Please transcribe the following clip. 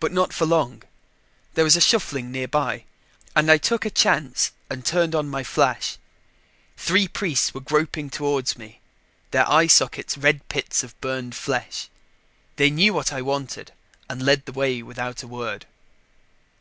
But not for long there was a shuffling nearby and I took a chance and turned on my flash. Three priests were groping toward me, their eye sockets red pits of burned flesh. They knew what I wanted and led the way without a word.